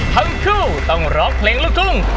ทั้งคู่ต้องร้องเพลงลูกทุ่ง